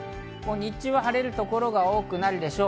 日中は晴れる所が多くなるでしょう。